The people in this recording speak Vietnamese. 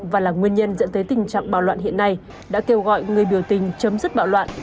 và là nguyên nhân dẫn tới tình trạng bạo loạn hiện nay đã kêu gọi người biểu tình chấm dứt bạo loạn